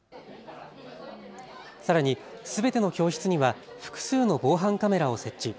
さらにすべての教室には複数の防犯カメラを設置。